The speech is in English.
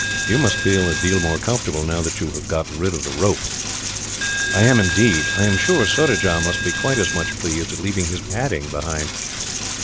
You must feel a deal more comfortable, now that you have got rid of the rope." "I am, indeed. I am sure Surajah must be quite as much pleased at leaving his padding behind."